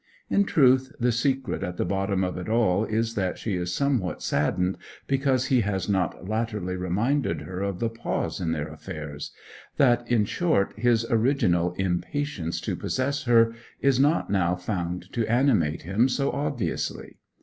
In truth, the secret at the bottom of it all is that she is somewhat saddened because he has not latterly reminded her of the pause in their affairs that, in short, his original impatience to possess her is not now found to animate him so obviously.